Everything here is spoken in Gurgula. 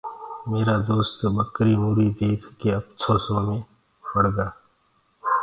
ميرآ دوست ٻڪريٚ مُريٚ ديک ڪي اڦسوسو مي پڙگآ۔